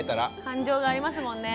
感情がありますもんね。